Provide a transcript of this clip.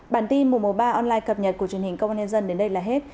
bản tin mùa mùa ba online cập nhật của truyền hình công an nhân dân đến đây là hết